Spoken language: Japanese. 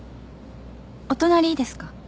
お隣いいですか？